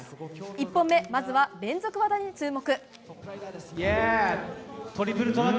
１本目、まずは連続技に注目。